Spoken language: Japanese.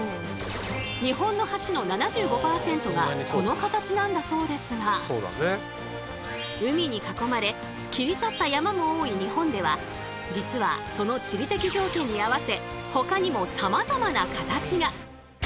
日本の橋の７５％がこの形なんだそうですが海に囲まれ切り立った山も多い日本では実はその地理的条件に合わせほかにもさまざまな形が。